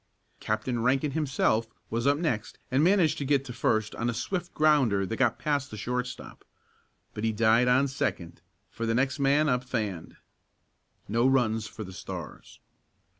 Captain Rankin himself was up next and managed to get to first on a swift grounder that got past the shortstop. But he died on second, for the next man up fanned. No runs for the Stars.